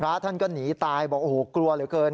พระท่านก็หนีตายบอกโอ้โหกลัวเหลือเกิน